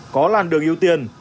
có làn đường ưu tiên